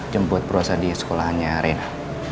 jemput perusahaan di sekolahnya rena